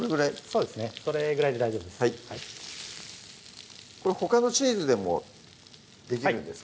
そうですねそれぐらいで大丈夫ですこれほかのチーズでもできるんですか？